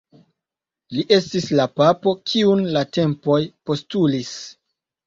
Li estis la papo kiun la tempoj postulis.